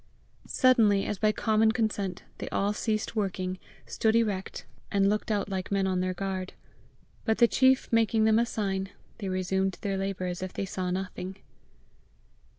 Suddenly, as by common consent, they all ceased working, stood erect, and looked out like men on their guard. But the chief making them a sign, they resumed their labour as if they saw nothing.